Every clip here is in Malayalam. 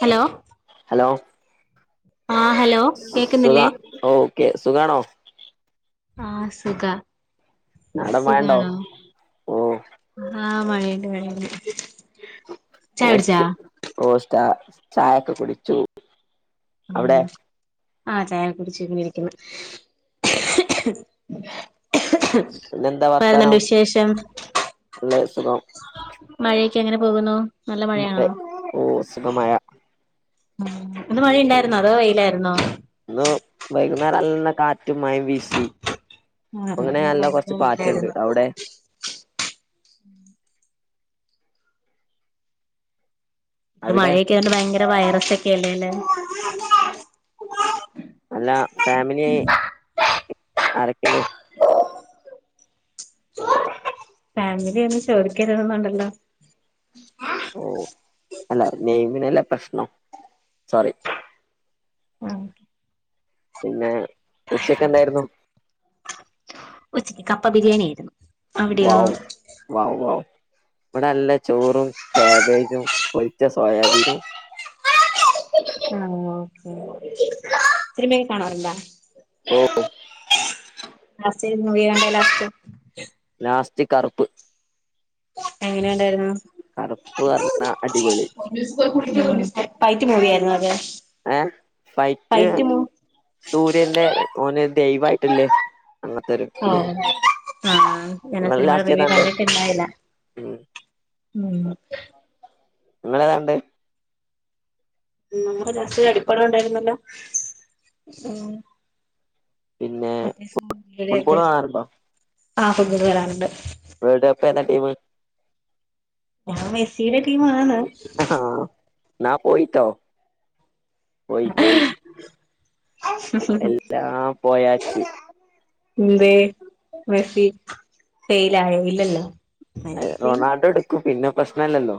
ഹലോ? ലോ? ആഹ് ഹലോ കേക്കുന്നില്ലേ സുഖാ ഓക്കെ സുഖാണോ? ആ സുഖാ ആടെ മണ്ടോ ഓ. ആ മഴയ്ണ്ട് മഴയ്ണ്ട്. [unintelligible] ചായൊക്കെ കുടിച്ചു. ഉം അവിടെ ആ ചായൊക്കുടിച്ചിങ്ങനിരിക്ക്ന്ന്‌. പിന്നെന്താ വേറെന്തുണ്ട് വർത്താനം വിശേഷം? നല്ല സുഖം മഴയെക്കെ എങ്ങനെ പോകുന്നു? നല്ല മഴയാണോ [unintelligible] ഓ സുഖമഴ. [inaudible] ഇന്ന് മഴയുണ്ടായിരുന്നോ അതോ വെയിലായിരുന്നോ? റ്റും മയേം വീശി. ആ അങ്ങനെ ഇന്നിവിടെ നല്ല കുറച്ച് പാറ്റുണ്ട് ഭയങ്കരവെയിലാരുന്നു. അവിടെ ഇന്ന്‌ അവിടെ മഴയക്കെ നല്ല ഭയങ്ക ടെ വൈറസൊക്കെയല്ലേലേ? അല്ല ഫാമിലി ആരെക്കെണ്ട്? ഫാമിലി ഒന്നും ചോദിക്കരുതെന്നുണ്ടല്ലോ. ഓ അല്ല നെയ്മിനല്ല പ്രശ്നം സോറി. ആഹ് പിന്നെ ഉച്ചക്കെന്തായിരുന്നു? ഉച്ചക്ക് കപ്പ ബിരിയാണിയാരുന്നു. വാവ് വാവ് വാവ് ഇവിടെല്ല ചോറും കാബേജും പൊരിച്ച സോയാബീനും സിനിമയെ കാണാറുണ്ടോ ഓ ലാസ്റ്റേത് മൂവീയാ കണ്ടെ ലാസ്റ്റ് ലാസ് ച്ചി കറുപ്പ് എങ്ങനെ ഒണ്ടാരുന്നൂ കറുപ്പ് പറഞ്ഞ അടിപൊളി ഫൈറ്റ് മൂവി യാരുന്നോ? [unintelligible] ഏ ഫൈറ്റ് സൂര്യേന്റെ ഓന് ദൈവായിട്ടല്ലേ ഓ ആ ആ ഞാനാ നിങ്ങൾ സിനിമാടെ ലാസ്റ്റ് റിവ്യൂ ഏതാണ്ട് കണ്ടിട്ടിണ്ടായില്ല ഉം ഉം നിങ്ങളേതാ കണ്ടെ ഉം ഞങ്ങള് ലാസ്റ്റ് ഒരടിപ്പടം ഉണ്ടായിരുന്നല്ലോ ഉം പിന്നെ മറ്റേ ഫുട് സൂര്യയുടെയൊക്കെ ഫുട്ബോള് കാണാറുണ്ടോ ആ ഫുട്ബോള് കാണാറ്ണ്ട് വേൾഡ് കപ്പ് ഏതാ ടീമ് ഞാൻ മെസ്സിയുടെ ടീമാണ് ഹ ആ ന്നാ പോയിട്ടോ പോയി പോയി എല്ലാം പോയാച്ച് ന്തേ മെസ്സി ഫെയ്ലായോ ഇല്ലല്ലോ അത് മെസ്സി റൊണാൾഡോ എടുക്കും പിന്നെ പ്രശ്നല്ലല്ലോ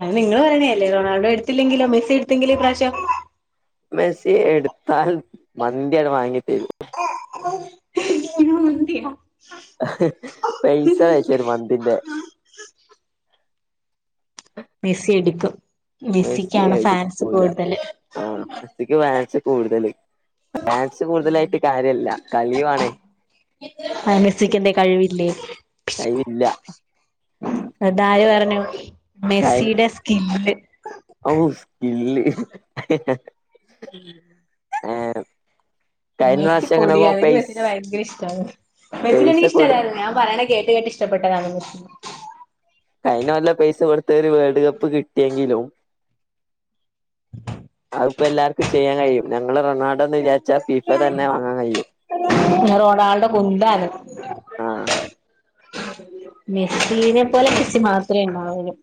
അത് നിങ്ങള് പറേണെ അല്ലേ റൊണാൾഡോ എട്ത്തില്ലെങ്കിലോ മെസ്റ്റി എട്ത്തെങ്കിലോ ഇപ്രാവശ്യം മെസ്സി എടുത്താൽ മന്തിയാണ്ട് വാങ്ങി തെരും മന്തിയോ ഹ് പൈസാണ്ട് അയ്ച്ചെരും മന്തിന്റെ മെസ്സി എടുക്കും മെസ്സി മെസ്സിക്കാണ് ഫാൻസ് എടുക്കൂല കൂട്തല് ആ മെസ്സിക്ക് ഫാൻസ് കൂടുതല് ഫാൻസ് കൂടുതലായി ട്ട് കാര്യല്ല കളിവാണേ ഉം [inaudible] ആ മെസ്സിക്കെന്തേ കഴിവില്ലേ ടൈമില്ല അത് ആര് പറഞ്ഞു കൈ മെസ്സിയുടെ സ്കില്ല് ആ [inaudible] ഔ സ്കില്ല് ഏഹ് കഴിഞ്ഞ മെസ്സി പ്രാവശ്യം എങ്ങനൊക്കോ പൊളിയാ എന്ക്ക് പൈസ് മെസ്സിനെ ഭയങ്കര ഇഷ്ടാണ് മെസിനെ പൈസ എനിക്ക് കൊടു ഇഷ്ടല്ലായിരുന്നു ഞാൻ പറയണ കേട്ട് കേട്ട് ഇഷ്ടപ്പെട്ടതാണ് കൈയന കൊല്ല പെയ്സ കൊട് ത്തരു വേൾഡ് കപ്പ് കിട്ടിയെങ്കിലും [inaudible] അത്പ്പല്ലാർക്കും ചെയ്യാൻ കഴിയും ഞ കഴിയും റൊണാൾഡോ കുന്താണ്. ആഹ് മെസ്സീനെ പോലെ മെസ്സി മാത്രേ ഉണ്ടാവുള്ളു.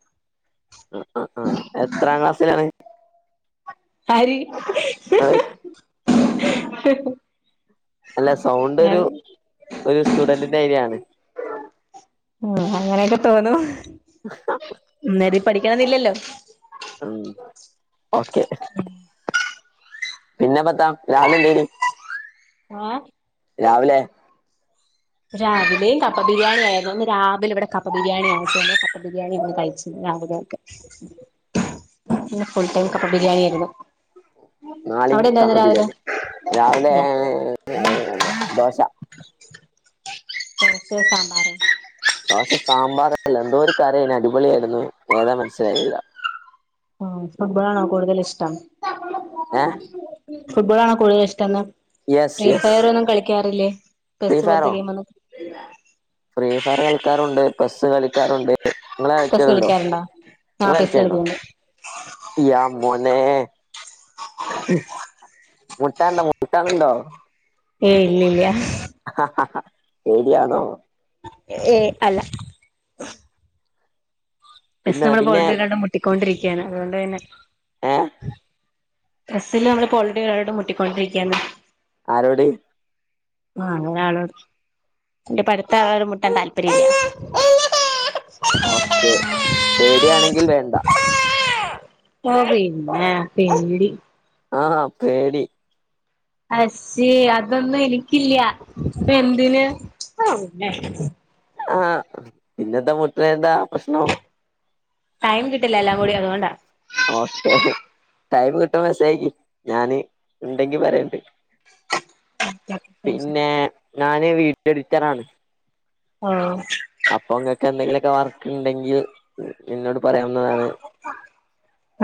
അ അ അ. എത്രാം ക്ലാസ്സിലാണ്? ആര്? ങ്ങള്. അല്ല സൗണ്ട് ഞാൻ ഒരു ഒരു സ്റ്റുഡന്റിന്റായിരാണ്. ഉം തോന്നും. ഹ ഹ ഇന്നേരി പഠിക്കണെന്നില്ലല്ലോ. ഉം. ഓക്കെ. പിന്നെപ്പത്താ രാവിലെന്തേനി? ആഹ്. രാവിലെ രാവിലെയും കപ്പ ബിരിയാണി ആയിരുന്നു. ഇന്ന് രാവിലെ ഇവിടെ കപ്പ ബിരിയാണി ആയിട്ടേന് കപ്പ ബിരിയാണി ആണ് കഴിച്ചത് രാവിലെക്കെ. പിന്നെ ഫുൾ ടൈം കപ്പ ബിരിയാണിയായിരുന്നു. നാളിം കപ്പബിരിയാണി രാവിലെ ഇല്ല ഏ രാവിലെ ഞാന് ദോശ. ദോശേം സാമ്പാറും. പക്ഷേ സാമ്പാറല്ല. എന്തോ ഒരു കറിയായിരുന്നു അടിപൊളിയായിരുന്നു ഏതാ മനസ്സിലായില്ല. ആ ഫുട്ബോളാണോ കൂടുതൽ ഇഷ്ടം? ഏഹ് [inaudible] ഫുട്ബോൾ ആണോ കൂടുതൽ ഇഷ്ട്ടംന്ന്. യെസ് ഫ്രീ യെസ് ഫയർ ഒന്നും കളിക്ക ക്കാറില്ലേ? ഫ്രീ ചെസ്സ് ഫയറോ പോലോത്ത ഗെയിമള്. ഉ ഫ്രീ ഫയർ കളിക്കാറുണ്ട്. ചെസ്സ് കളിക്കാറുണ്ട്, നിങ്ങള് പെസ്സ് കളിക്കലുണ്ടോ കളിക്കാറുണ്ടോ ആ നിങ്ങള് പെസ്സ് കളിക്കലുണ്ടോ കളിക്കുന്നുണ്ട് യാ മോനെ. അഹ് മുട്ടാൻണ്ടോ മുട്ടാനുണ്ടോ? ഏയ് ഇല്ലില്യ. ആഹാ ശരിയാണോ. ഏയ് അല്ല. ബസ് പിന്നെ നമ്മള് പിന്നെ ബോൾണ്ട് രണ്ടും മുട്ടിക്കൊണ്ടിരിക്കയാണ് അതുകൊണ്ട് തന്നെ ഏഹ് ചെസില് നമ്മള് പോൾഡ് രണ്ടും മുട്ടിക്കൊണ്ടിരിക്കയാണ്. ആരോട്? ആഹ് അങ്ങനെ ആണോ? എന്റെ പഠിത്ത ആകാതെ മുട്ടാൻ താല്പര്യല്ല. ഓക്കെ പേടിയാണെങ്കിൽ വേണ്ട. ആ പിന്നെ പേടി ആഹാ പേടി അക്ഷേ അതൊന്നും എനിക്കില്ല്യാ എന്തിന് ഔ പിന്നെ ആ ആ പിന്നെന്താ പൊട്ട്യാന്താ പ്രശ്നം ടൈം കിട്ടില്ല എല്ലാം കൂടി അതുകൊണ്ടാ ഓക്കെഹ് ടൈം കിട്ടുമ്പൊ മെസ്സേജ് അയക്കി ഞാന് ഇണ്ടെങ്കി പറയണ്ട് പിന്നേ ഞാന് വീട്ടി എഡിറ്ററാണ് ആഹ് അപ്പൊ ഇങ്ങക്ക് എന്തെങ്കിലൊക്കെ വർക്ക് ഉണ്ടെങ്കിൽഎന്നോ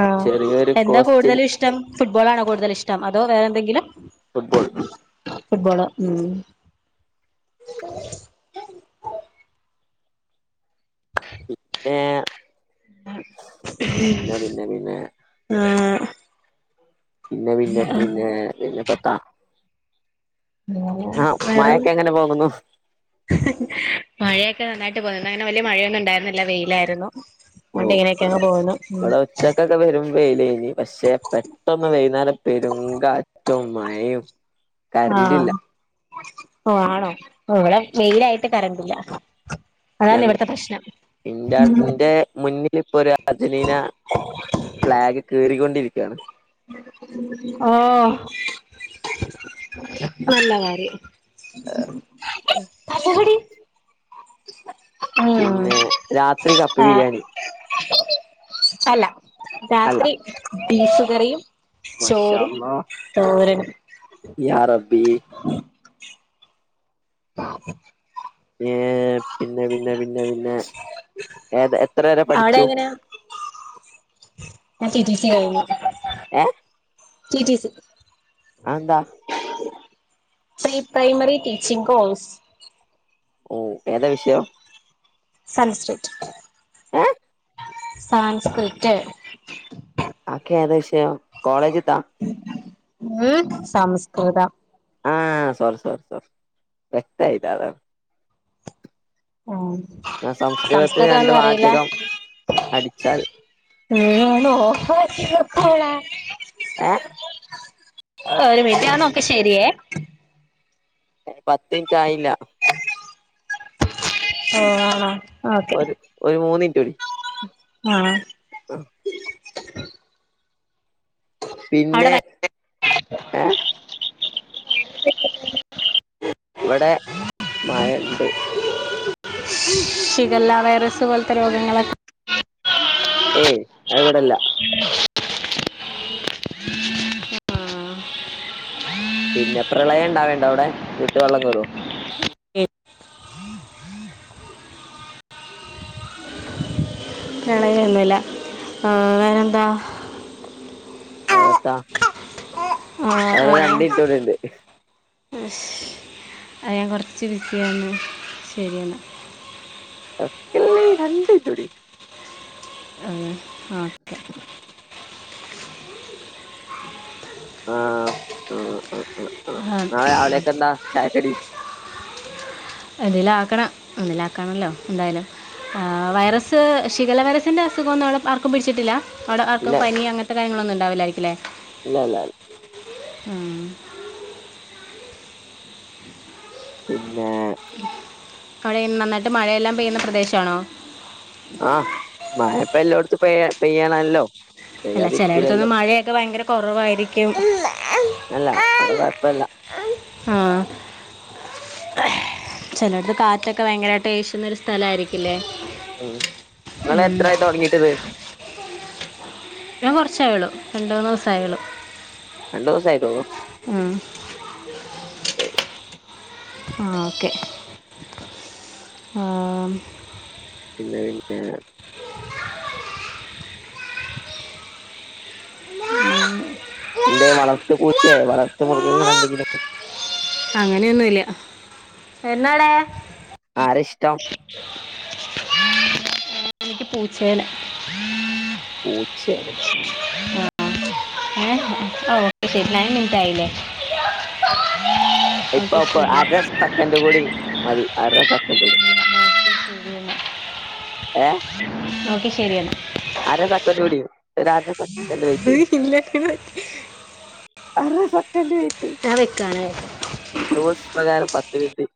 ആ ചെറിയൊരു എന്താ കോസ്റ്റിൽ കൂടുതലും ഇഷ്ടം ഫുട്ബോളണോ കൂടുതൽ ഇഷ് ടം അതോ വേറെ എന്തെങ്കിലും ഫുട്ബോൾ ഫുട്ബോളോ ഉം ഏ പിന്നെ ആ പിന്നെ പിന്നെ പിന്നെ പിന്നെ ത്ത മഴൊക്കെ എങ്ങനെ പോകുന്നു [unintelligible] മഴയൊക്കെ [unintelligible] അങ്ങനെ വലിയ മയൊന്നും ഉണ്ടായിരുന്നില്ല വെയിലാരുന്നു ഓ ഇവിടെ ഉച്ചക്കക്കെ പെരും വെയ്ലർനു പക്ഷെ പെട്ടന്ന് വൈന്നേരം പെരും കാ റ്റും മയും ആ കറന്റ് ഇല്ല ഓ ആണോ ഇവിടെ വെയിലാട്ട് കറണ്ടില്ല അതാണ് ഞങ് ഇവിടുത്തെ പ്രശ്നം ഇന്റെ ഇന്റെ മുന്നിൽ ഇപ്പൊ ഒരു അർജന്റീന ഫ്ലാഗ് കീറിക്കൊണ്ടിരി യാണ് ആ നല്ല വാര് നല്ല വടി പിന്നെ രാത്രി കപ്പ ബിരിയാണി അൽ അല്ല രാത്രി ബീഫ് കറിയും മാഷാ ചോറും അല്ലാഹ് തോരനും യാ റബ്ബി ഏ പിന്നെ പിന്നെ പിന്നെ പിന്നെ ഏത എത്ര വരെ പഠിച്ചു ആ റ്റി റ്റി സി കയ്ഞ്ഞു റ്റി റ്റി സി ആന്താ പ്രീ പ്രൈമറി ടീച്ചിംഗ് കോഴ്സ് ഓ ഏതാ വിഷയം സൻസ്രിറ്റ് ഏ സാംസ്കൃറ്റ് ആക്കെ ഏത വിശയം കോളേജ് ത ഉം സംസ്കൃതം ആഹ് സോറി സോറി സോറി വക്തായില്ല അത ആഹ് ന്നാ സംസ്കൃതത്തിന് സംസ്കൃത രണ്ട് ഒന്നും പറയില്ല വാചകം അടിച്ചാൽ ഉം ആണോ [unintelligible] ഏ ഒരുമിറ്റന്നൊക്കെ ശെരിയേ പത്ത് ൻറ്റ് ആയില്ല ഓ അണോ ഒരു ഒരു മൂന്നുൻറ്റൂടി ആ പിന്നെ അവിടെ ഏ ഇവിടെ മായ ഇണ്ട് ശിഗല്ല വൈറസ് പോലത്തെ രോഗങ്ങളൊക്കെ ഏയ് ഇവിടെല്ല പിന്നെ പ്രളയം ഇണ്ടാവാവേണ്ട അവിടെ വീട്ട് വള്ളം കേറോ ഏ പ്രളയൊന്നുമല്ല ആ വേറെ എന്നാ അത്താ ആ, വേറെ രണ്ടിറ്റുട്ണ്ട് അത് ഞാൻ കുറച്ച് വിസിയന്ന് ശരിയാണ് വെക്കല്ലി രണ്ട് മിൻറ്റൂട്ടി അ ആഹ് ആഹ് ആ ആ നാളെ രാവിലെയൊക്കെ എന്താ ചായക്കടി എന്തേലാക്കണം, എന്തേലാക്കണല്ലോ എന്തായാലും. വൈറസ്, ഷിഗല്ല വൈറസിന്റെ അസുഖൊന്നും അവിടെ ആർക്കും പിടിച്ചിട്ടില്ല? അവിടെ ആർക്കും ഇല്ല പനി അങ്ങനത്തെ കാര്യങ്ങളൊന്നും ഇണ്ടാവില്ലായിരിക്കില്ലേ? ഇല്ല ഇല്ല ആ പിന്നെ കഴയും നന്നായിട്ട് മഴയെല്ലാം പെയ്യുന്ന പ്രദേശാണോ? ആഹ് മഴ ഇപ്പൊ എല്ലോട്ത്തും പെയ്യ പെയ്യണല്ലോ. അല്ല ചെലയിടത്തൊന്നു പെയ്യാതിരിക്കൂലല്ലോ മഴയൊക്കെ ഭയങ്കര കൊറവായിരിക്കും. അല്ല ഇവടെ കൊഴപ്പല്ല. ആഹ് ചെലേടത്ത് കാറ്റൊക്കെ ഭയങ്കരായിട്ട് ഏശ്ന്നൊരു സ്ഥലായിരിക്കില്ലേ? ഉം നിങ്ങളെ ത്രായി തൊടങ്ങീട്ട്ത്? ഞാൻ കൊറച്ചായെള്ളു. രണ്ട് മൂന്നൂസായെള്ളു. രണ്ടൂ സായിട്ടൊള്ളു? ശരി ഓക്കെ. ആഹ് പിന്നെ പിന്നെ ഉം എന്തേ വളർത്ത് പൂച്ച ല്ലേ വളർത്ത് മൃഗങ്ങളെന്തെങ്കിലും അങ്ങനെയൊന്നുല്ല. എന്നാടെ? ആരാ ഇഷ്ടം എനിക്ക് പൂച്ചേനെ പൂച്ചെ ഏഹ് ഓക്കെ ശരി നയൻ മിൻറ്റായില്ലേ? ഇപ്പൊ ഓക്കേ ഇപ്പൊ ശരി അര സെക്കൻഡ് കൂടി മതി അര സെക്കൻഡ് കൂടി ഏഹ് ഓക് ശരിയെന്നാ രാജപ്പൻ [unintelligible] അര സെക് ക്കന്റ് വെയിറ്റെയ്. ഞാൻ വെക്കാണ് റൂൾസ് പ്രകാരം പത്ത് മിനിറ്റ്